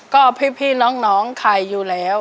ก็พี่น้องใครอยู่แล้ว